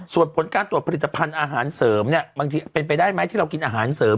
ส่วนผลการตรวจผลิตภัณฑ์อาหารเสริมเนี่ยบางทีเป็นไปได้ไหมที่เรากินอาหารเสริม